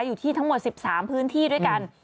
อยู่ที่ทั้งหมด๑๓พื้นที่ด้วยกัน